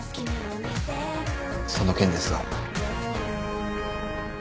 その件ですが。